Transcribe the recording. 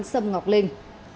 sâm ngọc linh